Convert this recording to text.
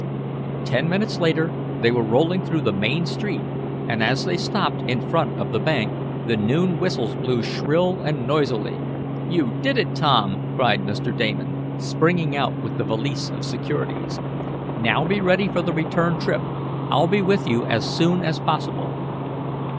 Ten minutes later they were rolling through the main street, and as they stopped in front of the bank, the noon whistles blew shrill and noisily. "You did it, Tom!" cried Mr. Damon, springing out with the valise of securities. "Now be ready for the return trip. I'll be with you as soon as possible."